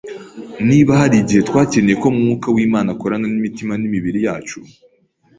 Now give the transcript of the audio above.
Niba hari igihe twakeneye ko Mwuka w’Imana akorana n’imitima n’imibiri yacu